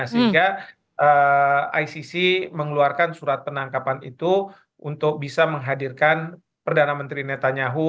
sehingga icc mengeluarkan surat penangkapan itu untuk bisa menghadirkan perdana menteri netanyahu